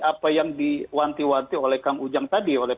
apa yang diwanti wanti oleh